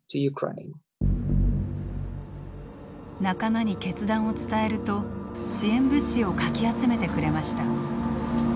仲間に決断を伝えると支援物資をかき集めてくれました。